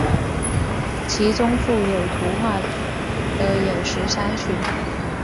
其中附有图画的有十三曲。